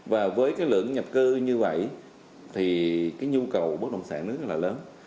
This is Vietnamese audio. và với cái lượng nhập cư như vậy thì cái nhu cầu bất động sản nước rất là lớn